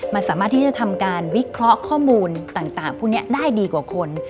มันสามารถที่จะทำการวิเคราะห์ข้อมูลต่างพวกนี้ได้ดีกว่าคน